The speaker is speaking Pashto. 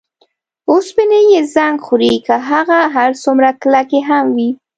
اوسپنې یې زنګ خوري که هغه هر څومره کلکې هم وي.